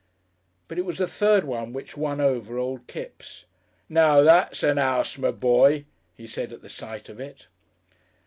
But it was the third one which won over old Kipps. "Now that's a 'ouse, my boy," he said at the sight of it.